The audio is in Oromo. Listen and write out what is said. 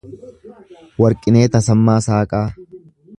Warqinee Tasammaa Saaqaa